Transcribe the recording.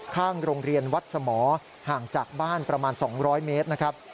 ข้างโรงเรียนวัดสมห่างจากบ้านประมาณ๒๐๐เมตรนะครับ